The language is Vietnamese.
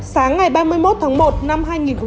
sáng ngày ba mươi một tháng một năm hai nghìn một mươi chín